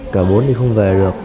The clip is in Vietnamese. cả bốn thì không về được